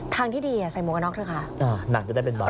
ทางที่ดีอะใส่มกนอกเถอะคะอ่าหนังจะได้เป็นบอล